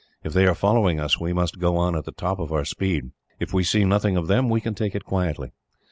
If they are following us, we must go on at the top of our speed. If we see nothing of them, we can take it quietly.